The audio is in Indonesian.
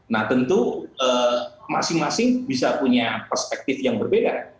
nah tentu masing masing bisa punya perspektif yang berbeda